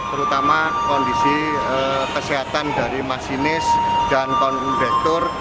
terutama kondisi kesehatan dari masinis dan konvektor